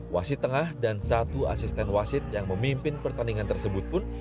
wasit tengah dan satu asisten wasit yang memimpin pertandingan tersebut pun